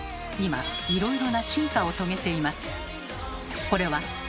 今いろいろな進化を遂げています。